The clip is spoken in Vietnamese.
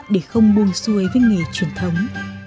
để không buông xuôi với nghề truyền thống